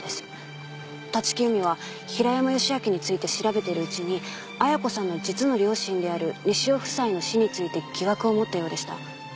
「立木由美は平山義昭について調べているうちに亜矢子さんの実の両親である西尾夫妻の死について疑惑を持ったようでした」